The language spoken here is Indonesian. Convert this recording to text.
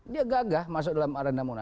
dia gagah masuk ke dalam arena munas